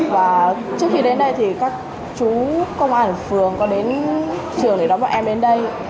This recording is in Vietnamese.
và trước khi đến đây thì các chú công an phường có đến trường để đón bọn em đến đây